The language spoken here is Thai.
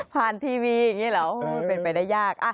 ทีวีอย่างนี้เหรอเป็นไปได้ยาก